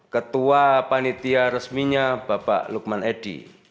ketua panitia resminya bapak lukman edi